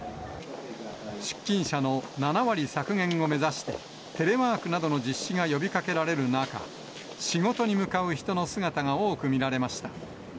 出勤者の７割削減を目指して、テレワークなどの実施が呼びかけられる中、仕事に向かう人の姿が多く見られました。